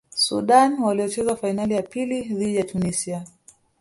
sudan waliocheza fainali ya pili dhidi ya tunisia